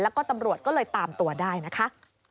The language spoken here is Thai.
แล้วก็ตำรวจก็เลยตามตัวได้นะคะ